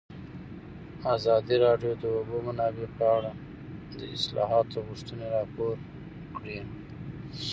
ازادي راډیو د د اوبو منابع په اړه د اصلاحاتو غوښتنې راپور کړې.